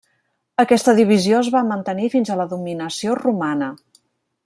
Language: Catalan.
Aquesta divisió es va mantenir fins a la dominació romana.